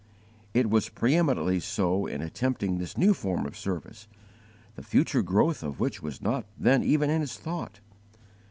It was preeminently so in attempting this new form of service, the future growth of which was not then even in his thought.